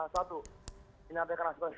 satu menyampaikan aspek